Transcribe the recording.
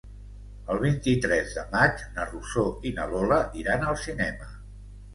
El vint-i-tres de maig na Rosó i na Lola iran al cinema.